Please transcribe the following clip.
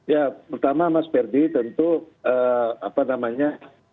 ya pertama mas ferdi tentu apa namanya